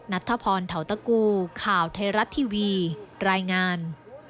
นัทธพรถาวตะกูข่าวไทรัตท์ทีวีรายงาน